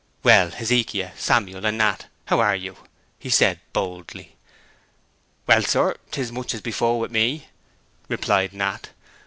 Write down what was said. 'Well, Hezekiah, and Samuel, and Nat, how are you?' he said boldly. 'Well, sir, 'tis much as before wi' me,' replied Nat.